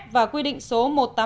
và quy định số một trăm tám mươi một